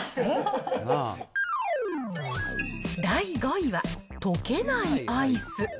第５位は、溶けないアイス。